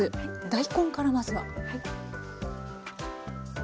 大根からまずは。